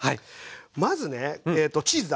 まずねチーズだ。